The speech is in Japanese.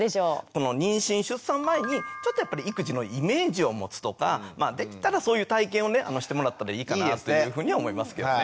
この妊娠出産前にちょっとやっぱり育児のイメージを持つとかできたらそういう体験をしてもらったらいいかなというふうには思いますけどね。